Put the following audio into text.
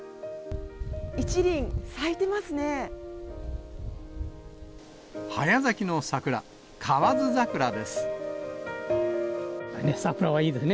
１輪、咲いてますね。